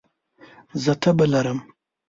زه تبه لرم